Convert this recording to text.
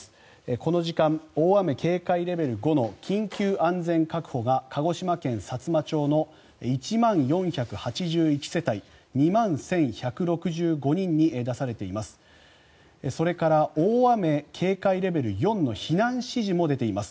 この時間、大雨警戒レベル５の緊急安全確保が鹿児島県さつま町の１万４８１世帯２万１１６５人に出されています。